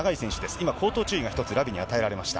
今、口頭注意が１つ、ラビに与えられました。